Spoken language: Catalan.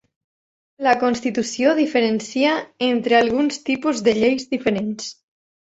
La Constitució diferencia entre alguns tipus de lleis diferents.